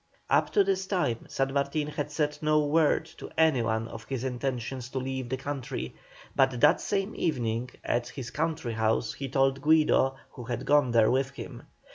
Up to this time San Martin had said no word to anyone of his intention to leave the country, but that same evening at his country house he told Guido, who had gone there with him.